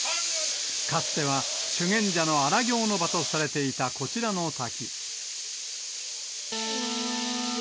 かつては、修験者の荒行の場とされていたこちらの滝。